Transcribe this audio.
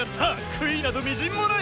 悔いなどみじんもない。